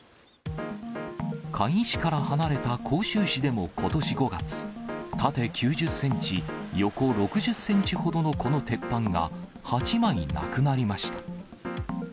甲斐市から離れた甲州市でもことし５月、縦９０センチ、横６０センチほどのこの鉄板が、８枚なくなりました。